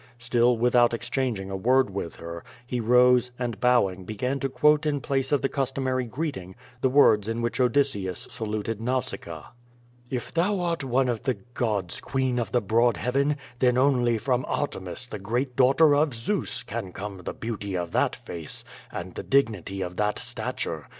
Still, without exchanging a word with her, he rose, and, bowing, began to quote in place of the customary greeting, the words in which Odysseus saluted Nausicaa: "Jf thou art one of the gods, queen of the broad heaven, then only from Artemis, the great daughter of Zeus, can come the l)cauty of that face, and the dignity of that stature.